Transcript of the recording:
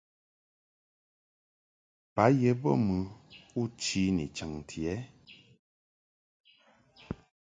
Ba ye bə mɨ u chi ni chaŋti ɛ ?